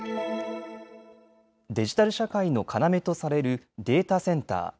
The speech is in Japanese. デジタル社会の要とされるデータセンター。